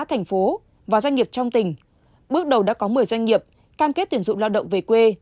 thành phố và doanh nghiệp trong tỉnh bước đầu đã có một mươi doanh nghiệp cam kết tuyển dụng lao động về quê